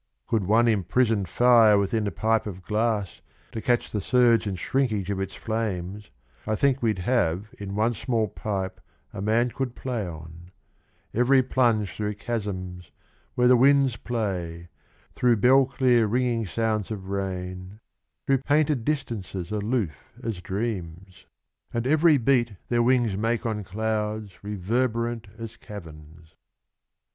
— Could one imprison fire within a pipe of glass To catch the surge and shrinkage of its flames, I think we'd have in one small pipe A man could play on, Every plunge through chasms where the winds play, Through bell clear ringing sounds of rain, Through painted distances aloof as dreams, And every beat their wings make on clouds Reverberant as caverns.